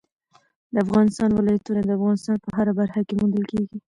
د افغانستان ولايتونه د افغانستان په هره برخه کې موندل کېږي.